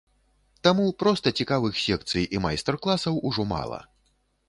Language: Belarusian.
Таму проста цікавых секцый і майстар-класаў ужо мала.